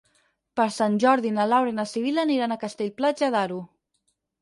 Per Sant Jordi na Laura i na Sibil·la aniran a Castell-Platja d'Aro.